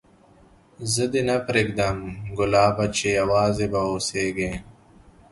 زه دي نه پرېږدم ګلابه چي یوازي به اوسېږې